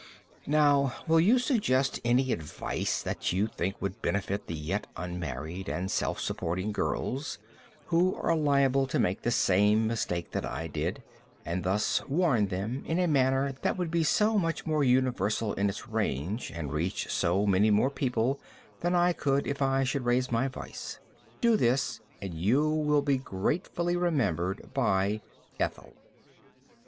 Now, will you suggest any advice that you think would benefit the yet unmarried and self supporting girls who are liable to make the same mistake that I did, and thus warn them in a manner that would be so much more universal in its range, and reach so many more people than I could if I should raise my voice? Do this and you will be gratefully remembered by Ethel."